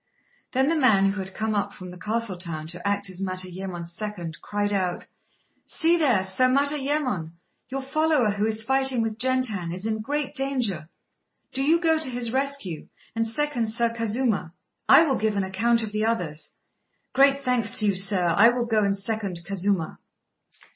Then the man who had come up from the castle town to act as Matayémon's second cried out "See there, Sir Matayémon, your follower who is fighting with Gentan is in great danger. Do you go to his rescue, and second Sir Kazuma: I will give an account of the others!" "Great thanks to you, sir. I will go and second Kazuma."